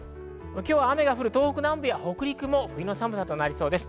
今日は雨が降る東北南部や北陸も冬の寒さになりそうです。